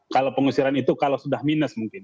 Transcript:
kalau pengusiran itu kalau sudah minus mungkin